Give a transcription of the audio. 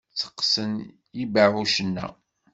Tteqqsen yibeɛɛucen-a?